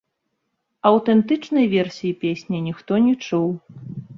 Аўтэнтычнай версіі песні ніхто не чуў.